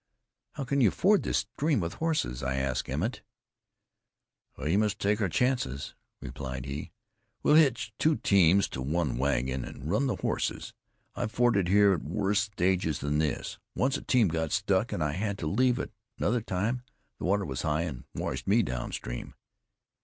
"How can you ford this stream with horses?" I asked Emmett. "We must take our chances," replied he. "We'll hitch two teams to one wagon, and run the horses. I've forded here at worse stages than this. Once a team got stuck, and I had to leave it; another time the water was high, and washed me downstream."